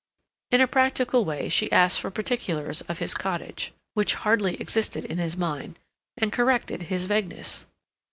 In a practical way she asked for particulars of his cottage, which hardly existed in his mind, and corrected his vagueness.